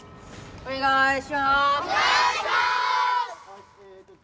お願いします！